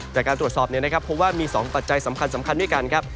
จากการตรวจสอบเนี่ยนะครับเพราะว่ามี๒ปัจจัยสำคัญด้วยกันครับ